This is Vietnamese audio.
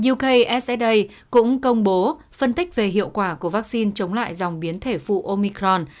ukssa cũng công bố phân tích về hiệu quả của vaccine chống lại dòng biến thể phụ omicron